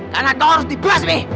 karena kau harus dibalas mi